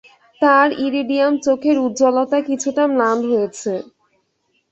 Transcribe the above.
তার ইরিডিয়াম চোখের উজ্জ্বলতা কিছুটা ম্লান হয়েছে।